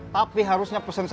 tapi harusnya pesen satu dulu